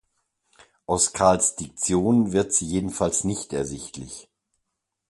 Aus Carls Diktion wird sie jedenfalls nicht ersichtlich.